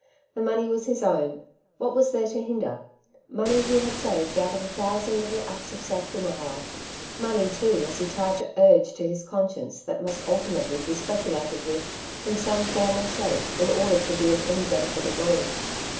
The money was his own ; what was there to hinder ? Money he had saved out of a thousand little acts of self denial ; money, too, as he tried to urge to his conscience, that must ultimately be speculated with, in some form or shape, in order to be of any benefit at all.